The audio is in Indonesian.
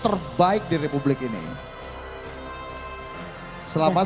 sebuah penuntut yang sangat luar biasa